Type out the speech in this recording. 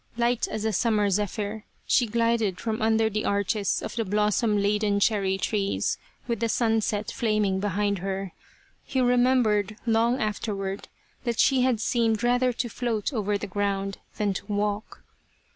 Light as a summer zephyr she glided from under the arches of the blossom laden cherry trees with the sunset flaming behind her. He remembered long afterward that she had seemed rather to float over the ground than to walk.